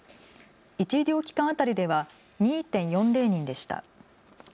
１医療機関当たりでは２．４０人でした。